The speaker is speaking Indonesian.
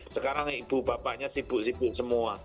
sekarang ibu bapaknya sibuk sibuk semua